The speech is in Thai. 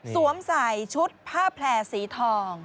สวมใส่ชุดผ้าแผลสีทอง